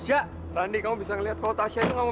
siap rande kamu bisa melihat rotasnya itu mau